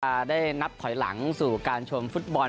จะได้นับถอยหลังสู่การชมฟุตบอล